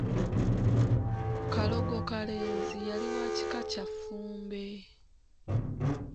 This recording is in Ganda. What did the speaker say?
Kalogokalenzi yali wa kika kya Ffumbe.